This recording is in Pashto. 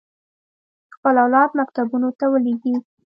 خپل اولاد مکتبونو ته ولېږي.